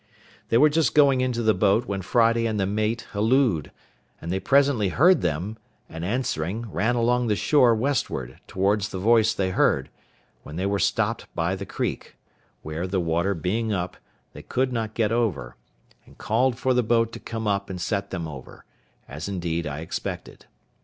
They were just going into the boat when Friday and the mate hallooed; and they presently heard them, and answering, ran along the shore westward, towards the voice they heard, when they were stopped by the creek, where the water being up, they could not get over, and called for the boat to come up and set them over; as, indeed, I expected.